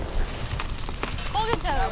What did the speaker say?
「焦げちゃうよ！